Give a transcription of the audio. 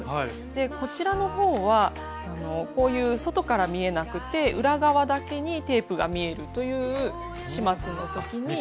こちらの方はこういう外から見えなくて裏側だけにテープが見えるという始末の時に。